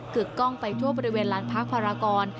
ึกกล้องไปทั่วบริเวณลานพักภารากร